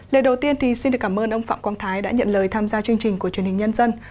lời đầu tiên thì xin được cảm ơn ông phạm quang thái đã nhận lời tham gia chương trình của truyền hình nhân dân